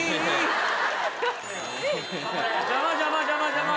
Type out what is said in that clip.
邪魔邪魔邪魔邪魔。